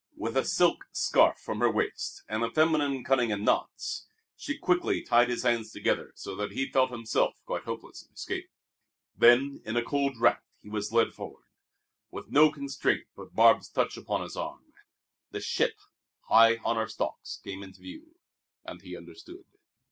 With a silk scarf from her waist, and a feminine cunning in knots, she quickly tied his hands together so that he felt himself quite hopeless of escape. Then, in a cold wrath, he was led forward; with no constraint but Barbe's touch upon his arm. The ship, high on her stocks, came into view. And he understood.